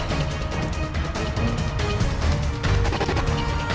มีวิววิววิว